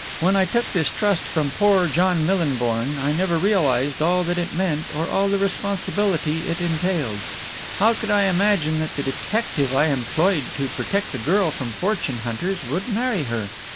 When I took this trust from poor John Millinborn I never realized all that it meant or all the responsibility it entailed. How could I imagine that the detective I employed to protect the girl from fortune hunters would marry her?